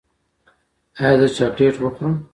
ایا زه چاکلیټ وخورم؟